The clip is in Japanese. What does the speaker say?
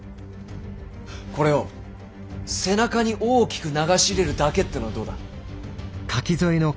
これを背中に大きく流し入れるだけってのはどうだ。